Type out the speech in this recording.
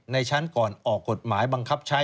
ในชั้นก่อนออกกฎหมายบังคับใช้